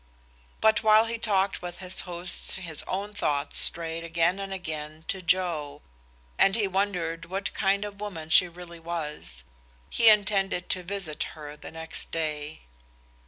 But while he talked with his hosts his own thoughts strayed again and again to Joe, and he wondered what kind of woman she really was. He intended to visit her the next day.